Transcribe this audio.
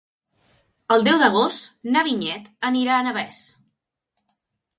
El deu d'agost na Vinyet anirà a Navès.